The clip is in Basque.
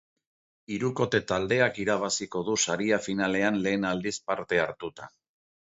Hirukote taldeak irabaziko du saria finalean lehen aldiz parte hartuta.